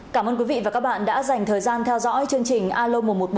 cảm ơn quý vị và các bạn đã dành thời gian theo dõi chương trình alo một trăm một mươi bốn